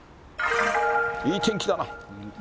いい天気だな。